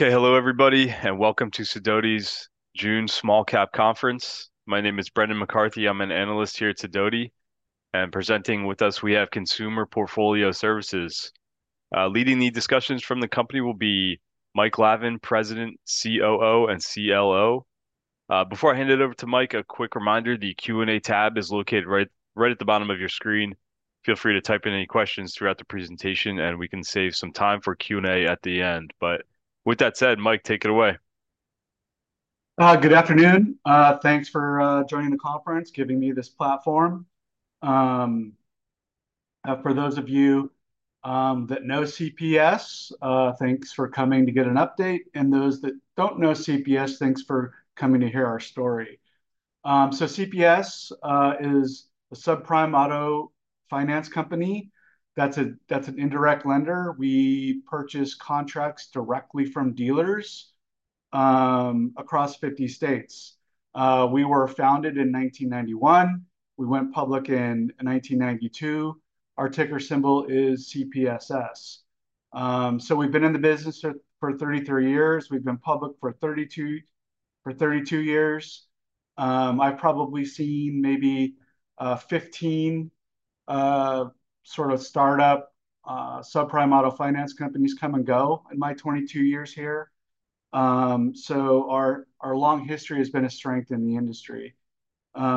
Okay. Hello everybody and welcome to Sidoti's June Small Cap Conference. My name is Brendan McCarthy. I'm an analyst here at Sidoti, and presenting with us we have Consumer Portfolio Services. Leading the discussions from the company will be Mike Lavin, President, COO, and CLO. Before I hand it over to Mike, a quick reminder. The Q&A tab is located right at the bottom of your screen. Feel free to type in any questions throughout the presentation, and we can save some time for Q&A at the end. With that said, Mike, take it away. Good afternoon. Thanks for joining the conference, giving me this platform. For those of you that know CPS, thanks for coming to get an update. Those that don't know CPS, thanks for coming to hear our story. So CPS is a subprime auto finance company that's an indirect lender. We purchase contracts directly from dealers across 50 states. We were founded in 1991. We went public in 1992. Our ticker symbol is CPSS. So we've been in the business for 33 years. We've been public for 32 years. I've probably seen maybe 15 sort of startup subprime auto finance companies come and go in my 22 years here. So our long history has been a strength in the industry.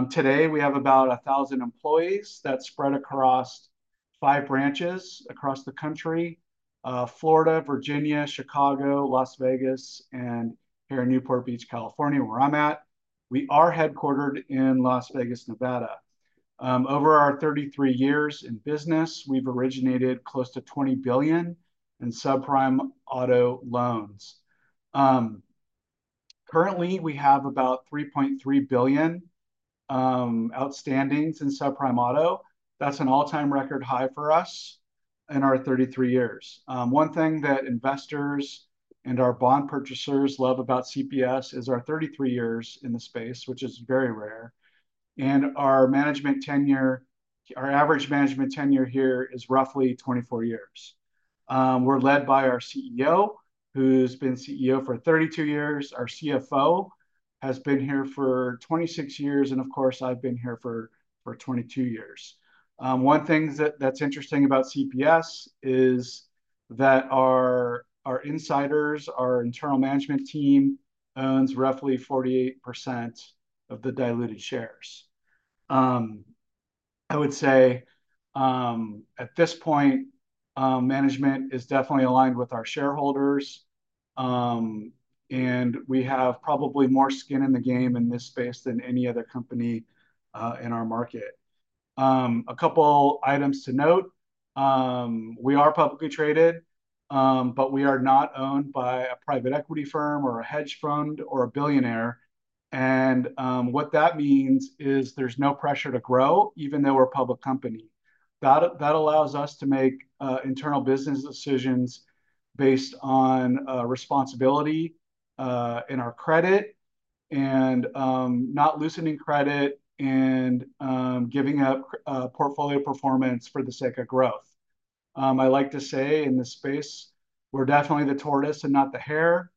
Today we have about 1,000 employees that spread across five branches across the country. Florida, Virginia, Chicago, Las Vegas and here in Newport Beach, California where I'm at. We are headquartered in Las Vegas, Nevada. Over our 33 years in business, we've originated close to $20 billion in subprime auto loans. Currently we have about $3.3 billion outstandings in subprime auto. That's an all time record high for us in our 33 years. One thing that investors and our bond purchasers love about CPS is our 33 years in the space, which is very rare and our management tenure, our average management tenure here is roughly 24 years. We're led by our CEO who's been CEO for 32 years. Our CFO has been here for 26 years and of course I've been here for 22 years. One thing that's interesting about CPS is that our insiders, our internal management team owns roughly 48% of the diluted shares. I would say at this point management is definitely aligned with our shareholders and we have probably more skin in the game in this space than any other company in our market. A couple items to note. We are publicly traded, but we are not owned by a private equity firm or a hedge fund or a billionaire. What that means is there's no pressure to grow, even though we're a public company. That allows us to make internal business decisions based on responsibility in our credit and not loosening credit and giving up portfolio performance for the sake of growth. I like to say in this space we're definitely the tortoise and not the hare.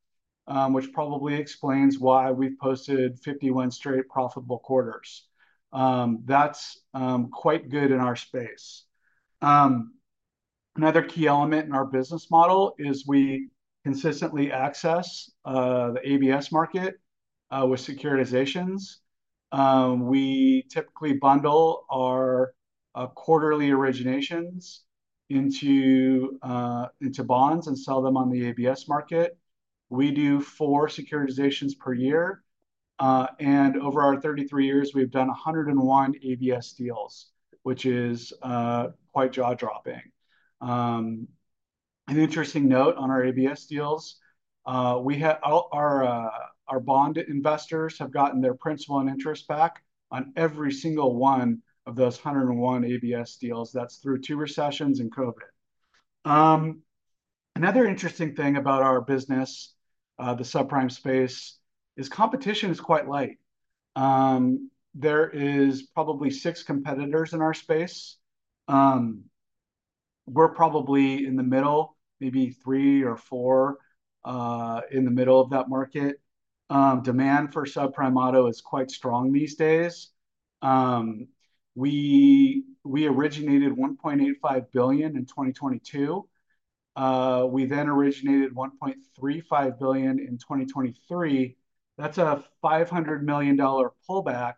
Which probably explains why we've posted 51 straight profitable quarters. That's quite good in our space. Another key element in our business model is we consistently access the ABS market with securitizations. We typically bundle our quarterly originations into bonds and sell them on the ABS market. We do 4 securitizations per year and over our 33 years we've done 101 ABS deals, which is quite jaw dropping. An interesting note on our ABS deals: our bond investors have gotten their principal and interest back on every single one of those 101 ABS deals. That's through 2 recessions and COVID. Another interesting thing about our business, the subprime space, competition is quite light. There is probably 6 competitors in our space. We're probably in the middle, maybe 3 or 4 in the middle of that market. Demand for subprime auto is quite strong these days. We originated $1.85 billion in 2022. We then originated $1.35 billion in 2023. That's a $500 million pullback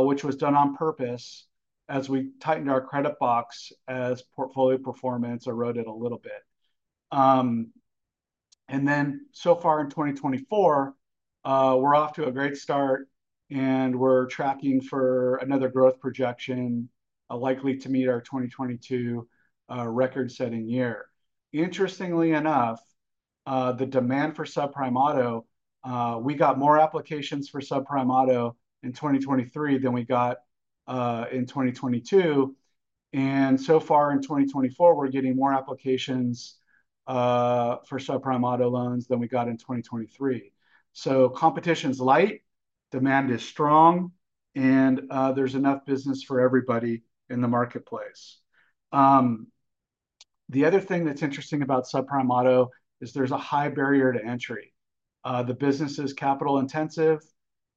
which was done on purpose as we tightened our credit box as portfolio performance eroded a little bit. And then so far in 2024, we're off to a great start and we're tracking for another growth projection likely to meet our 2022 record setting year. Interestingly enough, the demand for subprime auto, we got more applications for subprime auto in 2023 than we got in 2022. And so far in 2024, we're getting more applications for subprime auto loans than we got in 2023. So competition's light demand is strong and there's enough business for everybody in the marketplace. The other thing that's interesting about subprime auto is, is there's a high barrier to entry. The business is capital intensive,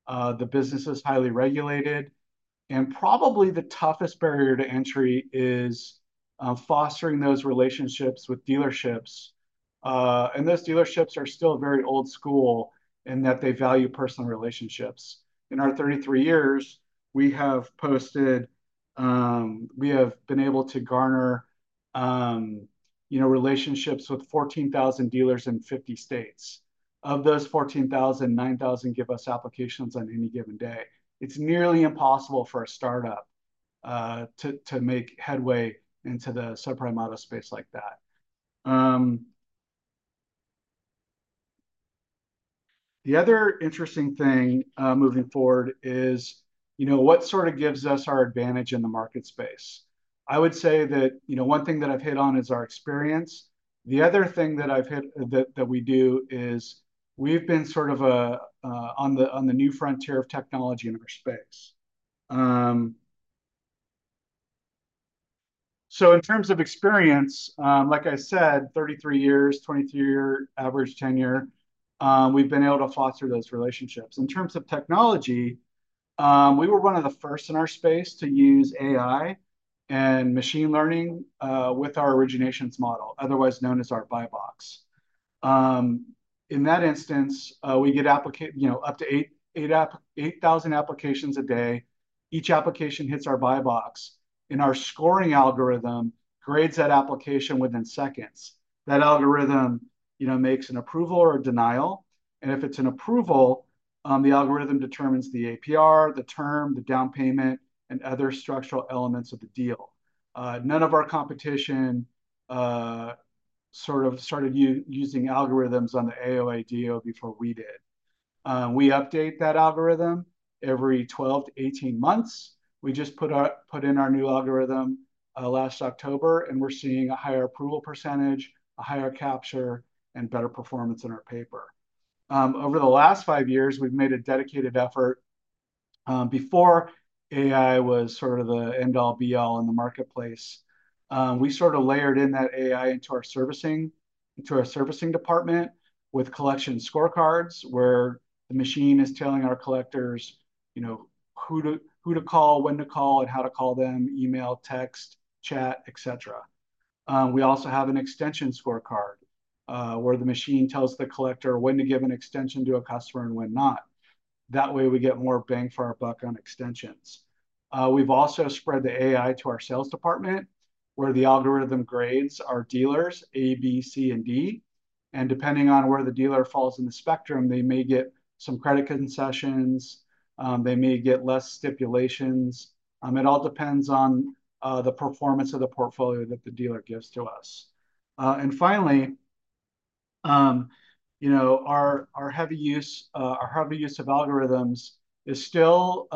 the business is highly regulated and probably the toughest barrier to entry is fostering those relationships with dealerships. Those dealerships are still very old school and that they value personal relationships. In our 33 years we have posted, we have been able to garner, you know, relationships with 14,000 dealers in 50 states. Of those 14,000, 9,000 give us applications on any given day. It's nearly impossible for a startup to make headway into the subprime auto space like that. The other interesting thing moving forward is, you know, what sort of gives us our advantage in the market space. I would say that, you know, one thing that I've hit on is our experience. The other thing that I've hit that we do is we've been sort of on the new frontier of technology in our space. So in terms of experience, like I said, 33 years, 23-year average tenure, we've been able to foster those relationships in terms of technology. We were one of the first in our space to use AI and machine learning with our originations model, otherwise known as our buy box. In that instance, we get up to 8,000 applications a day. Each application hits our buy box and our scoring algorithm grades that application within seconds. That algorithm makes an approval or denial. And if it's an approval, the algorithm determines the APR, the term, the down payment, and other structural elements of the deal. None of our competition sort of started using algorithms on the auto side before we did. We update that algorithm every 12-18 months. We just put in our new algorithm last October and we're seeing a higher approval percentage, a higher capture, and better performance in our paper over the last five years. We've made a dedicated effort before AI was sort of the end all, be all in the marketplace. We sort of layered in that AI into our servicing, into our servicing department with collection scorecards where the machine is telling our collectors, you know, who to call, when to call and how to call them, email, text, chat, etc. We also have an extension scorecard where the machine tells the collector when to give an extension to a customer and when not. That way we get more bang for our buck on extensions. We've also spread the AI to our sales department where the algorithm grades our dealers A, B, C and D. And depending on where the dealer falls in the spectrum, they may get some credit concessions, they may get less stipulations. It all depends on the performance of the portfolio that the dealer gives to us. Finally, you know, our heavy use of algorithms is still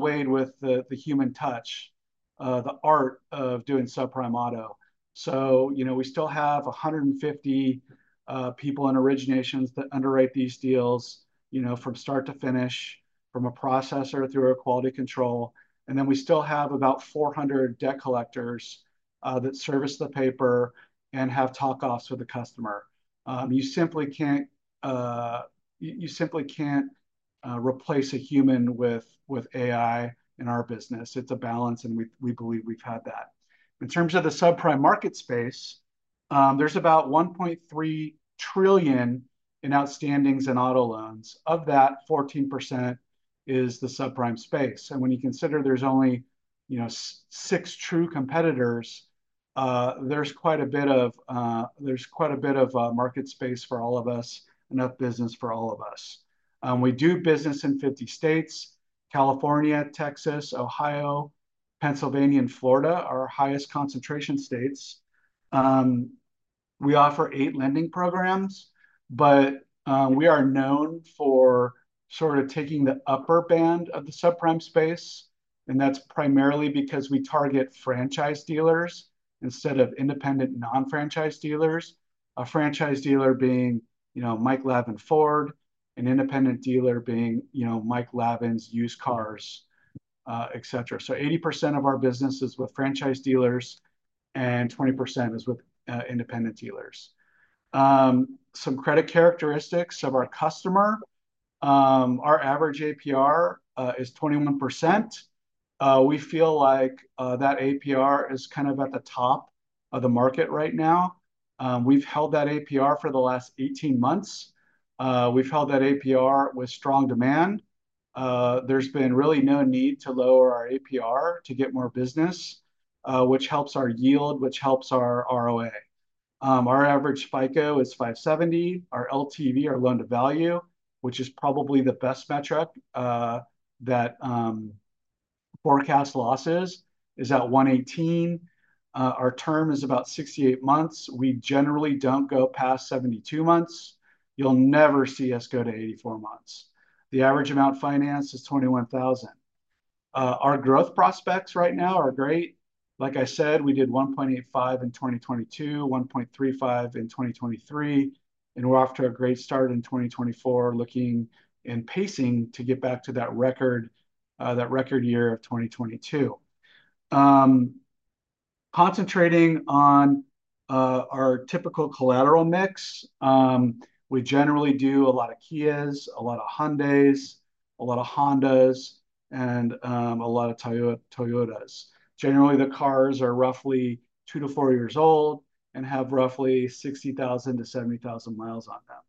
weighed with the human touch, the art of doing subprime auto. So, you know, we still have 150 people in originations that underwrite these deals, you know, from start to finish from a processor through a quality control. And then we still have about 400 debt collectors that service the paper and have talk-offs with the customer. You simply can't replace a human with AI. In our business it's a balance and we believe we've had that. In terms of the subprime market space, there's about $1.3 trillion in outstandings and auto loans. Of that, 14% is the subprime space. And when you consider there's only, you know, 6 true competitors, there's quite a bit of market space for all of us. Enough business for all of us. We do business in 50 states. California, Texas, Ohio, Pennsylvania, and Florida, our highest concentration states. We offer 8 lending programs. But we are known for sort of taking the upper band of the subprime space. And that's primarily because we target franchise dealers instead of independent non-franchise dealers. A franchise dealer being, you know, Mike Lavin Ford, an independent dealer being, you know, Mike Lavin's Used Cars, et cetera. So 80% of our business is with franchise dealers and 20% is with independent dealers. Some credit characteristics of our customer. Our average APR is 21%. We feel like that APR is kind of at the top of the market right now. We've held that APR for the last 18 months. We've held that APR with strong demand. There's been really no need to lower our APR to get more business, which helps our yield, which helps our ROA. Our average FICO is 570. Our LTV or loan to value, which is probably the best metric that forecast losses is at 118. Our term is about 68 months. We generally don't go past 72 months. You'll never see us go to 84 months. The average amount financed is $21,000. Our growth prospects right now are great. Like I said, we did $1.85 billion in 2022, $1.35 billion in 2023 and we're off to a great start in 2024. Looking and pacing to get back to that record, that record year of 2022. Concentrating on our typical collateral mix. We generally do a lot of Kias, a lot of Hyundais, a lot of Hondas and a lot of Toyotas. Generally the cars are roughly 2-4 years old and have roughly 60,000-70,000 miles on them.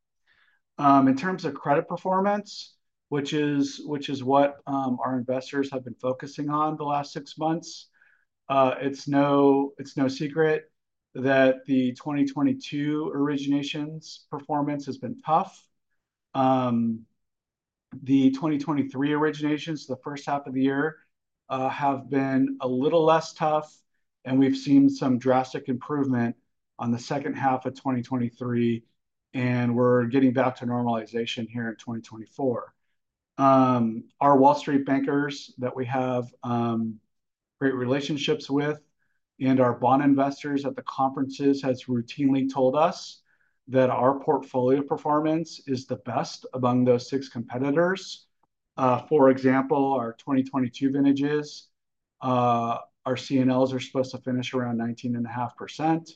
In terms of credit performance, which is what our investors have been focusing on the last six months. It's no secret that the 2022 originations performance has been tough. The 2023 originations, the first half of the year have been a little less tough. We've seen some drastic improvement on the second half of 2023, and we're getting back to normalization here in 2024. Our Wall Street bankers that we have great relationships with and our bond investors at the conferences has routinely told us that our portfolio performance is the best among those six competitors. For example, our 2022 vintages, our CNLs are supposed to finish around 19.5%.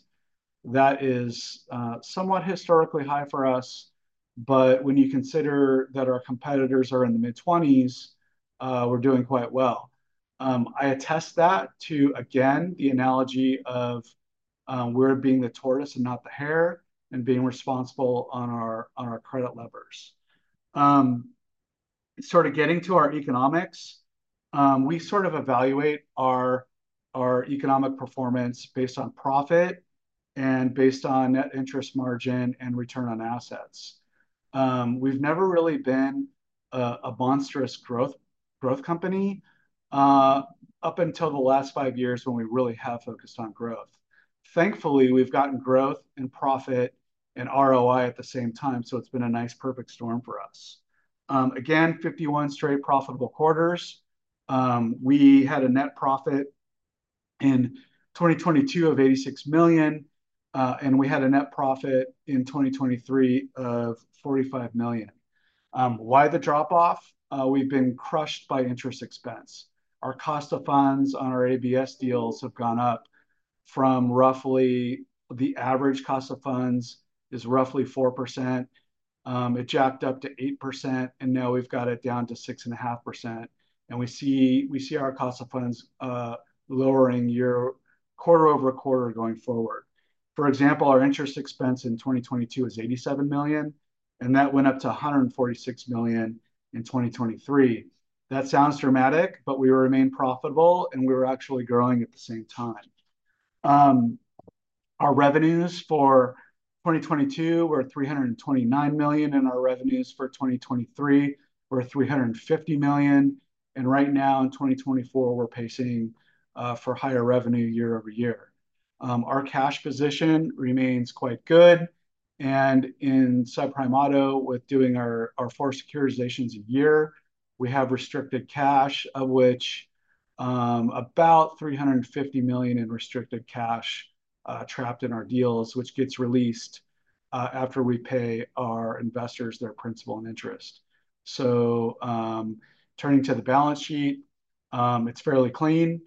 That is somewhat historically high for us. But when you consider that our competitors are in the mid-20s, we're doing quite well. I attribute that to again, the analogy of we're being the tortoise and not the hare and being responsible on our credit levers, sort of getting to our economics. We sort of evaluate our economic performance based on profit and based on net interest margin and return on assets. We've never really been a monstrous growth company up until the last five years when we really have focused on growth. Thankfully, we've gotten growth and profit and ROI at the same time. So it's been a nice perfect storm for us again. 51 straight profitable quarters. We had a net profit in 2022 of $86 million and we had a net profit in 2023 of $45 million. Why the drop off? We've been crushed by interest expense. Our cost of funds on our ABS deals have gone up from roughly the average cost of funds is roughly 4%. It jacked up to 8% and now we've got it down to 6.5%. And we see. We see our cost of funds lowering year-over-year, quarter-over-quarter going forward. For example, our interest expense in 2022 is $87 million and that went up to $146 million in 2023. That sounds dramatic, but we remain profitable and we were actually growing at the same time. Our revenues for 2022 were $329 million and our revenues for 2023 were $350 million. And right now in 2024, we're pacing for higher revenue year-over-year. Our cash position remains quite good. In subprime auto, with doing our 4 securitizations a year, we have restricted cash, of which about $350 million in restricted cash trapped in our deals, which gets released after we pay our investors their principal and interest. So turning to the balance sheet, it's fairly clean.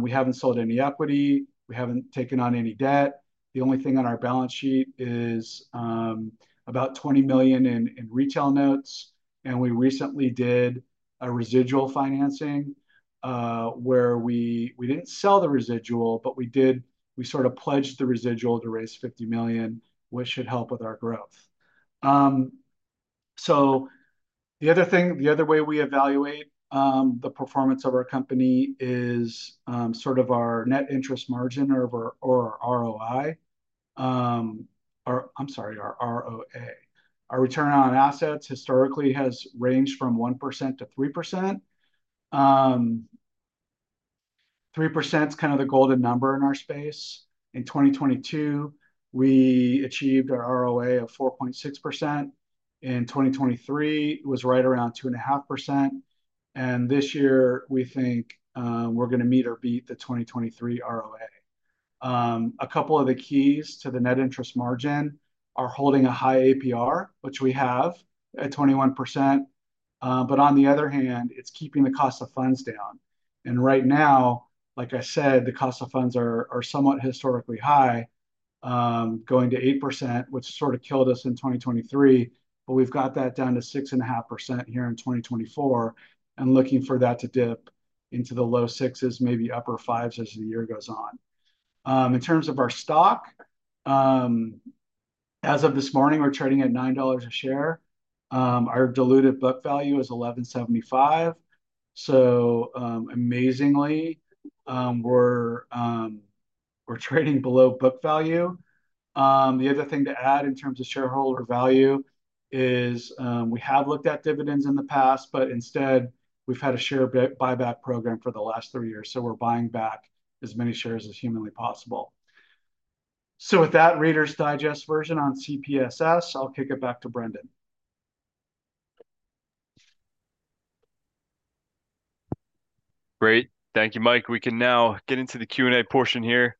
We haven't sold any equity, we haven't taken on any debt. The only thing on our balance sheet is about $20 million in retail notes. And we recently did a residual financing where we didn't sell the residual but we sort of pledged the residual to raise $50 million which should help with our growth. So the other thing, the other way we evaluate the performance of our company is sort of our net interest margin or ROI or I'm sorry, our ROA. Our return on assets historically has ranged from 1%-3%. 3% is kind of the golden number in our space. In 2022 we achieved our ROA of 4.6%. In 2023 was right around 2.5%. This year we think we're going to meet or beat the 2023 ROA. A couple of the keys to the net interest margin are holding a high APR, which we have at 21%. On the other hand it's keeping the cost of funds down. Right now, like I said, the cost of funds are somewhat historically high, going to 8% which sort of killed us in 2023. We've got that down to 6.5% here in 2024 and looking for that to dip into the low sixes, maybe upper fives as the year goes on. In terms of our stock, as of this morning we're trading at $9 a share. Our diluted book value is 11.75. So amazingly we're, we're trading below book value. The other thing to add in terms of shareholder value is we have looked at dividends in the past but instead of, we've had a share buyback program for the last three years. So we're buying back as many shares as humanly possible. So with that Reader's Digest version on CPSS, I'll kick it back to Brendan. Great, thank you Mike. We can now get into the Q&A portion here.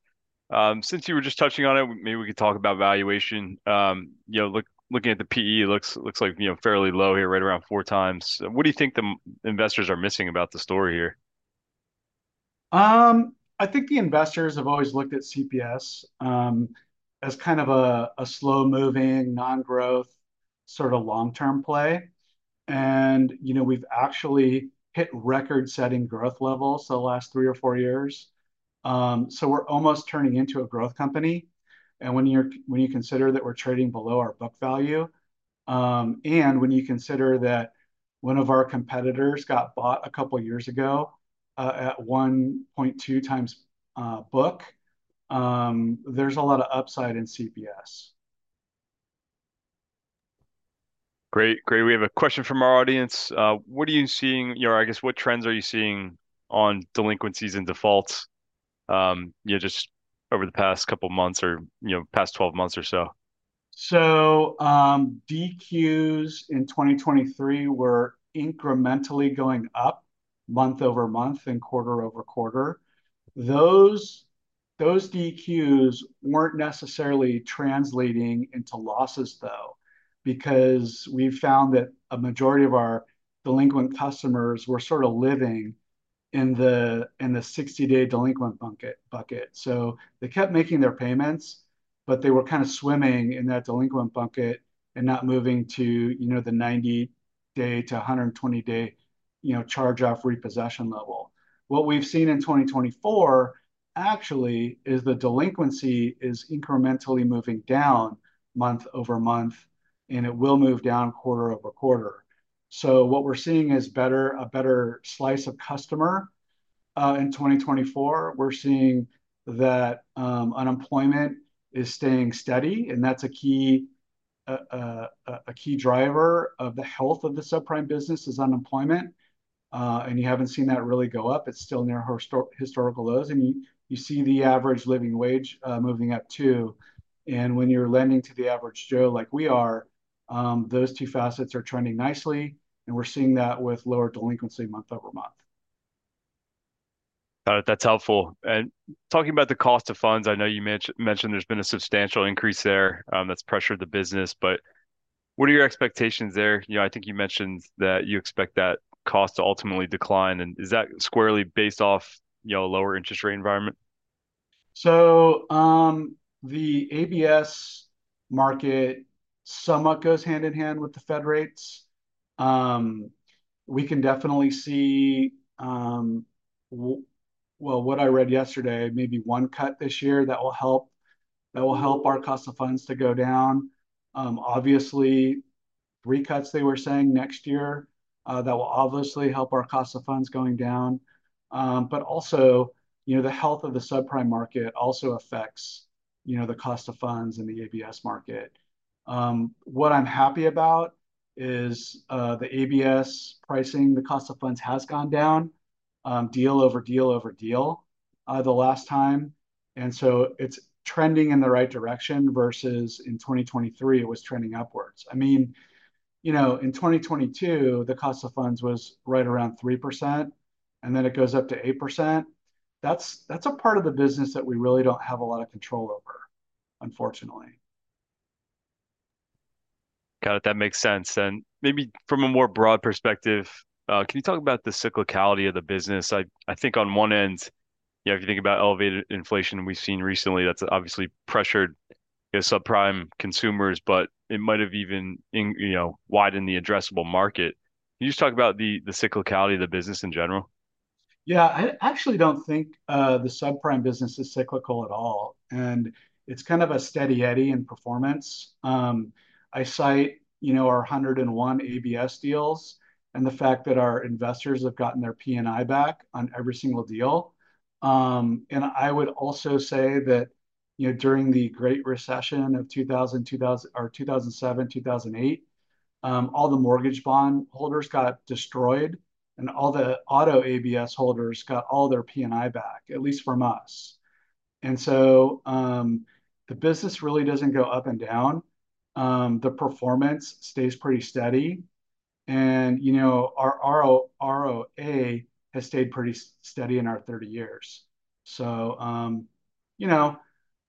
Since you were just touching on it, maybe we could talk about valuation. You know, looking at the P/E, looks like, you know, fairly low here, right around four times. What do you think the investors are missing about the story here? I think the investors have always looked at CPS as kind of a slow moving non growth sort of long term play. And you know, we've actually hit record setting growth levels the last three or four years. So we're almost turning into a growth company. And when you're, when you consider that we're trading below our book value and when you consider that one of our competitors got bought a couple years ago at 1.2 times book, there's a lot of upside in CPS. Great, great. We have a question from our audience. What are you seeing? I guess what trends are you seeing on delinquencies and defaults just over the past couple months or, you know, past 12 months or so. So DQs in 2023 were incrementally going up month-over-month and quarter-over-quarter. Those DQs weren't necessarily translating into losses though, because we found that a majority of our delinquent customers were sort of living in the, in the 60-day delinquent bucket. So they kept making their payments, but they were kind of swimming in that delinquent bucket and not moving to, you know, the 90-day to 120-day, you know, charge-off repossession level. What we've seen in 2024 actually is the delinquency is incrementally moving down month-over-month and it will move down quarter-over-quarter. So what we're seeing is a better slice of customer in 2024. We're seeing that unemployment is staying steady and that's a key driver of the health of the subprime business is unemployment. And you haven't seen that really go up. It's still near historical lows and you see the average living wage moving up too. When you're lending to the average Joe like we are, those two facets are trending nicely and we're seeing that with lower delinquency month-over-month. That's helpful. And talking about the cost of funds, I know you mentioned there's been a substantial increase there that's pressured the business. But what are your expectations there? You know, I think you mentioned that you expect that cost to ultimately decline and is that squarely based off, you know, lower interest rate environment? So the ABS market somewhat goes hand in hand with the Fed rates. We can definitely see, well, what I read yesterday, maybe one cut this year that will help, that will help our cost of funds to go down, obviously. Rate cuts. They were saying next year that will obviously help our cost of funds going down. But also, you know, the health of the subprime market also affects, you know, the cost of funds. In the ABS market. What I'm happy about is the ABS pricing. The cost of funds has gone down deal over deal over deal the last time and so it's trending in the right direction versus in 2023 it was trending upwards. I mean, you know, in 2022 the cost of funds was right around 3% and then it goes up to 8%. That's a part of the business that we really don't have a lot of control over, unfortunately. Got it. That makes sense. And maybe from a more broad perspective. Can you talk about the cyclicality of the business? I think on one end, if you think about elevated inflation we've seen recently, that's obviously pressured subprime consumers, but it might have even widened the addressable market. You just talk about the cyclicality of the business in general. Yeah, I actually don't think the subprime business is cyclical at all. And it's kind of a Steady Eddie in performance. I cite our 101 ABS deals and the fact that our investors have gotten their P&I back on every single deal. And I would also say that during the Great Recession of 2007, 2008, all the mortgage bond holders got destroyed and all the auto ABS holders got all their P&I back, at least from us. And so the business really doesn't go up and down. The performance stays pretty steady. And you know, our ROA has stayed pretty steady in our 30 years. So, you know,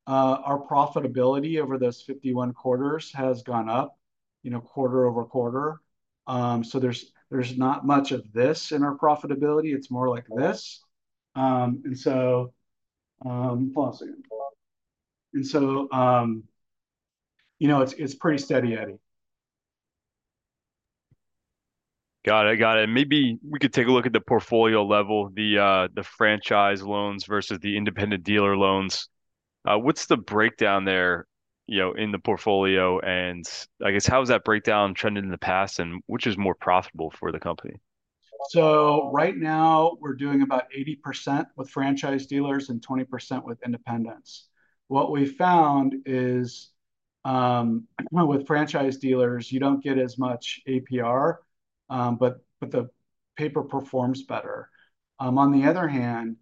our profitability over those 51 quarters has gone up, you know, quarter-over-quarter. So there's, there's not much of this in our profitability. It's more like this. And so, and so, you know, it's pretty Steady Eddie. Got it. Got it. Maybe we could take a look at the portfolio level. The franchise loans versus the independent dealer loans. What's the breakdown there in the portfolio and I guess how's that breakdown trended in the past and which is more profitable for the company? So right now we're doing about 80% with franchise dealers and 20% with independents. What we found is with franchise dealers, you don't get as much APR, but the paper performs better. On the other hand,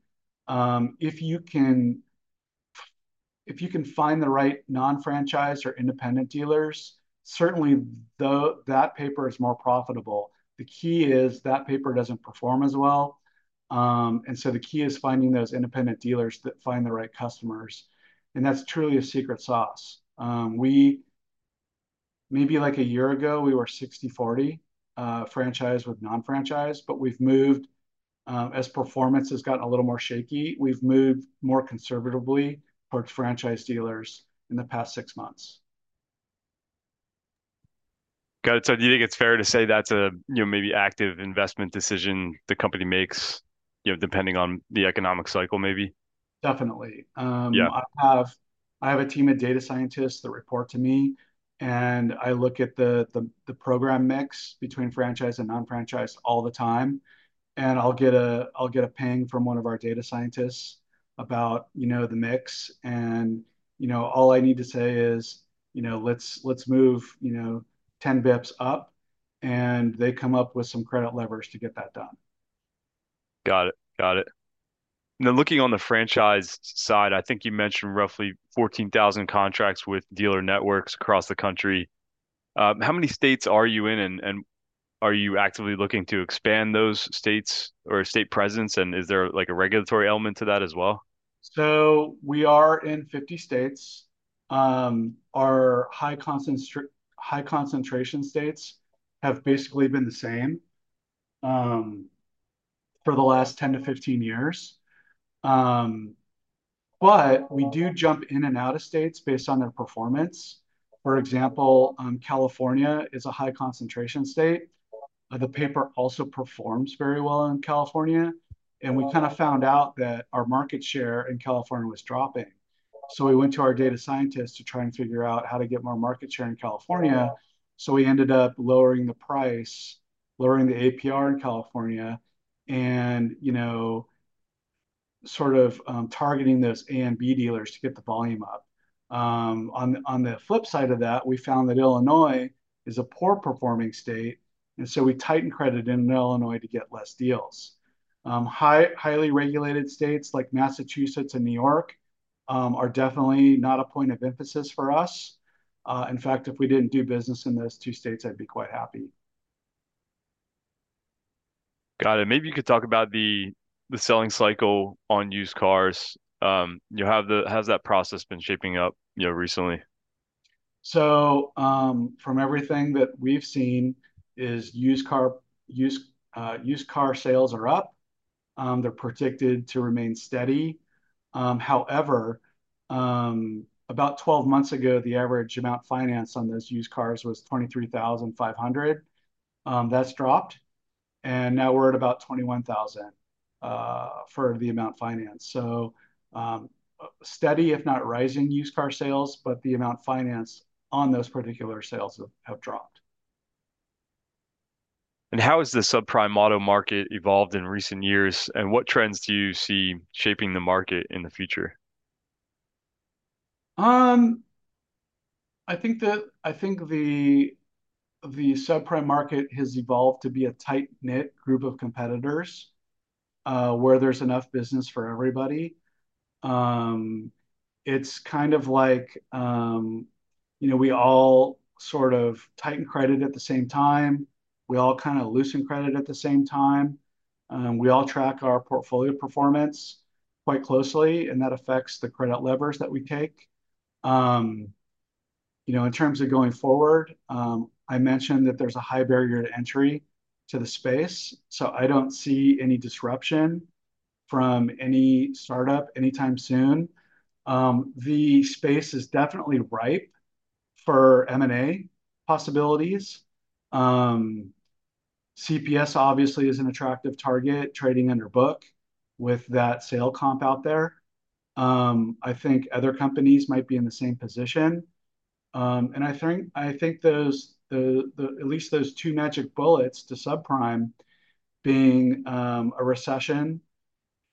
if you can, if you can find the right non-franchise or independent dealers, certainly though that paper is more profitable, the key is that paper doesn't perform as well. And so the key is finding those independent dealers that find the right customers. And that's truly a secret sauce. We maybe like a year ago we were 60-40 franchise with non-franchise, but we've moved as performance has gotten a little more shaky. We've moved more conservatively towards franchise dealers in the past six months. Got it. So do you think it's fair to say that's a, you know, maybe active investment decision the company makes, you know, depending on the economic cycle? Maybe. Definitely. Yeah. I have a team of data scientists that report to me and I look at the program mix between franchise and non-franchise all the time, and I'll get a ping from one of our data scientists about the mix. All I need to say is let's move 10 basis points up and they come up with some credit levers to get that done. Got it, got it. Now looking on the franchise side, I think you mentioned roughly 14,000 contracts with dealer networks across the country. How many states are you in and are you actively looking to expand those states or state presence? And is there like a regulatory element to that as well? So we are in 50 states. Our high concentration states have basically been the same for the last 10-15 years. But we do jump in and out of states based on their performance. For example, California is a high concentration state. The paper also performs very well in California. We kind of found out that our market share in California was dropping. We went to our data scientists to try and figure out how to get more market share in California. We ended up lowering the price, lowering the APR in California and you know, sort of targeting those A and B dealers to get the volume up on. On the flip side of that, we found that Illinois is a poor performing state and so we tightened credit in Illinois to get less deals. Highly regulated states like Massachusetts and New York are definitely not a point of emphasis for us. In fact, if we didn't do business in those two states, I'd be quite happy. Got it. Maybe you could talk about the selling cycle on used cars. How's that process been shaping up, you know, recently? From everything that we've seen is used car, used car sales are up. They're predicted to remain steady. However, about 12 months ago, the average amount financed on those used cars was $23,500. That's dropped. And now we're at about $21,000 for the amount financed. So steady, if not rising, used car sales. But the amount financed on those particular sales have dropped. How has the subprime auto market evolved in recent years and what trends do you see shaping the market in the future? I think the subprime market has evolved to be a tight knit group of competitors where there's enough business for everybody. It's kind of like, you know, we all sort of tighten credit at the same time. We all kind of loosen credit at the same time. We all track our portfolio performance quite closely and that affects the credit levers that we take, you know, in terms of going forward. I mentioned that there's a high barrier to entry to the space. So I don't see any disruption from any startup anytime soon. The space is definitely ripe for M&A possibilities. CPS obviously is an attractive target. Trading under book with that sale comp out there. I think other companies might be in the same position. I think those, at least those two magic bullets to subprime being a recession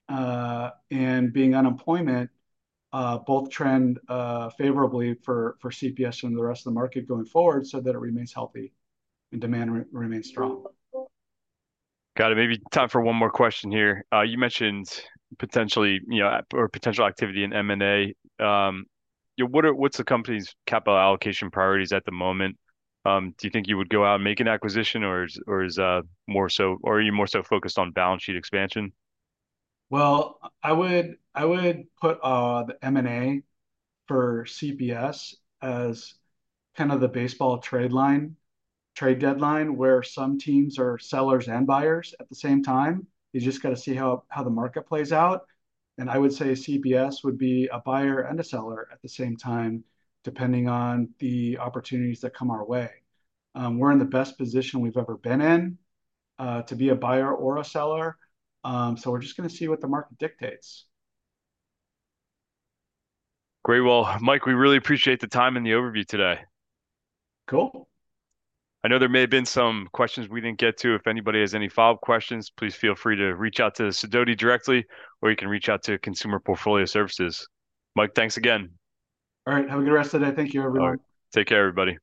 and being unemployment both trend favorably for CPS and the rest of the market going forward, so that it remains healthy and demand remains strong. Got it. Maybe time for one more question here. You mentioned potentially, you know, or potential activity in M&A. What are the company's capital allocation priorities at the moment? Do you think you would go out and make an acquisition or is more so. Or are you more so focused on balance sheet expansion? Well, I would put the M&A for CPS as kind of the baseball trade deadline where some teams are sellers and buyers at the same time. You just got to see how, how the market plays out. And I would say CPS would be a buyer and a seller at the same time depending on the opportunities that come our way. We're in the best position we've ever been in to be a buyer or a seller. So we're just going to see what the market dictates. Great. Well Mike, we really appreciate the time and the overview today. Cool. I know there may have been some questions we didn't get to. If anybody has any follow up questions, please feel free to reach out to Sidoti directly or you can reach out to Consumer Portfolio Services. Mike, thanks again. All right, have a good rest of the day. Thank you everyone. Take care everybody.